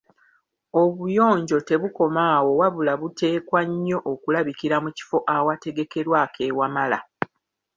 Obuyonjo tebukoma awo wabula buteekwa nnyo okulabikira mu kifo awategekerwa ak’e Wamala.